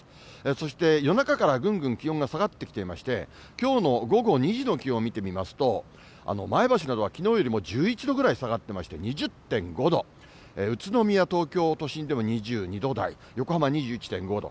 そして夜中から、ぐんぐん気温が下がっていまして、きょうの午後２時の気温を見てみますと、前橋などはきのうよりも１１度ぐらい下がってまして２０．５度、宇都宮、東京都心でも２２度台、横浜２１．５度。